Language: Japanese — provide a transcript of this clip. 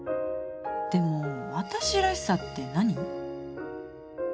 でも私らしさって何？